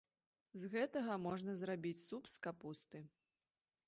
З гэтага можна зрабіць суп з капусты.